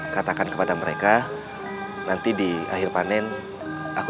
katakan kepada mereka yang tidak ingin menjahatmu